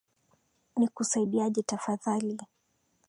Nikusaidieje tafadhali?